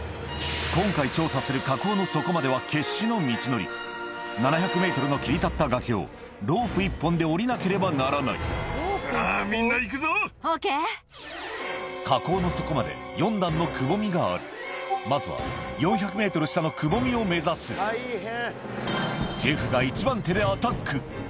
今回調査する火口の底までは決死の道のり７００ｍの切り立った崖をロープ１本で下りなければならない火口の底まで４段のくぼみがあるまずは４００ｍ下のくぼみを目指すでアタック